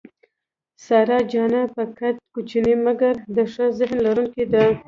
سارا جانه په قد کوچنۍ مګر د ښه ذهن لرونکې ده.